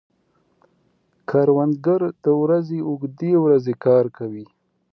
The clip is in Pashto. کروندګر د ورځې اوږدې ورځې کار کوي